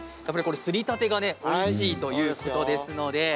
すりたてがねおいしいということですので。